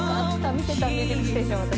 見てた『ミュージックステーション』私。